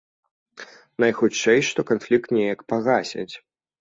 Найхутчэй што канфлікт неяк пагасяць.